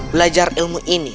belajar ilmu ini